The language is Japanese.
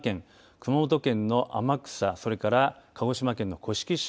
熊本県の天草、それから鹿児島県、甑島